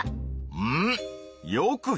うん。